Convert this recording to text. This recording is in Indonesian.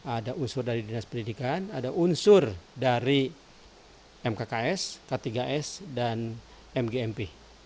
ada unsur dari dinas pendidikan ada unsur dari mkks k tiga s dan mgmp